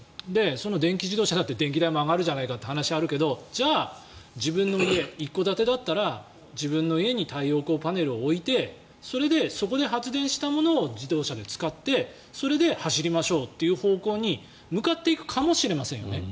その電気自動車だって電気代も上がるじゃないかという話もあるけどじゃあ、自分の家一戸建てだったら自分の家に太陽光パネルを置いてそこで発電したものを自動車で使ってそれで走りましょうという方向に向かっていくかもしれません。